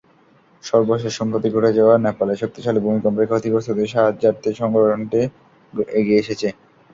সর্বশেষ সম্প্রতি ঘটে যাওয়া নেপালের শক্তিশালী ভূমিকম্পে ক্ষতিগ্রস্তদের সাহায্যার্থে সংগঠনটি এগিয়ে এসেছে।